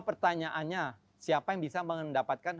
pertanyaannya siapa yang bisa mendapatkan